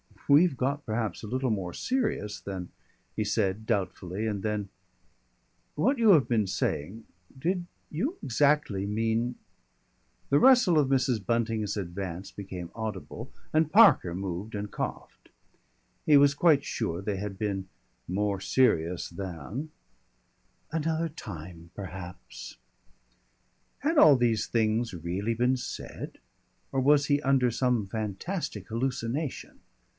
"We've got perhaps a little more serious than " he said doubtfully, and then, "What you have been saying did you exactly mean ?" The rustle of Mrs. Bunting's advance became audible, and Parker moved and coughed. He was quite sure they had been "more serious than " "Another time perhaps " Had all these things really been said, or was he under some fantastic hallucination?